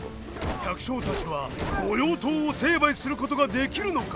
百姓たちは御用盗を成敗することができるのか？